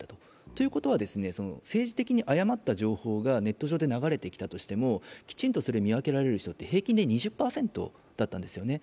ということは政治的に誤った情報がネットで流れてきたとしてもきちんとそれを見分けられる人って、平均で２０％だったんですね。